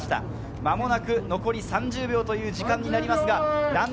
間もなく残り３０秒という時間になります。